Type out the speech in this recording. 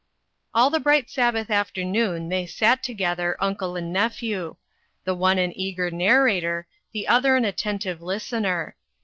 All the bright Sabbath afternoon they sat together, uncle and nephew; the one ar eager narrator, the other an attentive list ener.